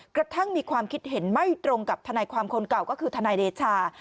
กระทั่งมีความคิดเห็นไม่ตรงกับทนายความคนเก่าก็คือทนายเดชา